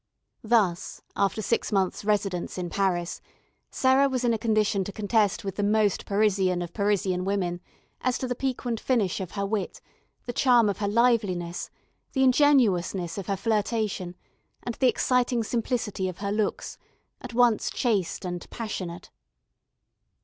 Thus, after six months' residence in Paris, Sarah was in a condition to contest with the most Parisian of Parisian women, as to the piquant finish of her wit, the charm of her liveliness, the ingenuousness of her flirtation, and the exciting simplicity of her looks, at once chaste and passionate.